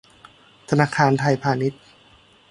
ธนาคารไทยพาณิชย์